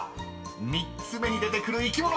［３つ目に出てくる生き物］